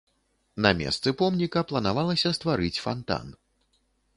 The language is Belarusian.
На месцы помніка планавалася стварыць фантан.